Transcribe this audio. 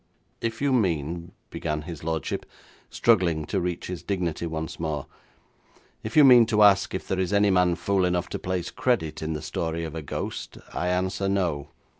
'If you mean,' began his lordship, struggling to reach his dignity once more, 'if you mean to ask if there is any man fool enough to place credit in the story of a ghost, I answer no.